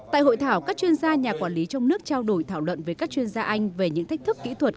tại hội thảo các chuyên gia nhà quản lý trong nước trao đổi thảo luận với các chuyên gia anh về những thách thức kỹ thuật